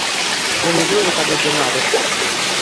ও নিজেও এই কাজের জন্য আদর্শ।